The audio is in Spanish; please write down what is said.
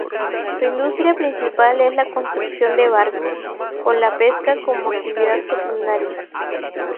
Su industria principal es la construcción de barcos, con la pesca como actividad secundaria.